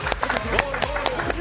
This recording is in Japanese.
ゴール！